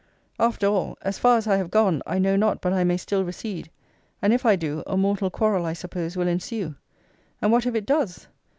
After all, as far as I have gone, I know not but I may still recede: and, if I do, a mortal quarrel I suppose will ensue. And what if it does?